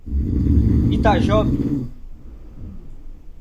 Itajobi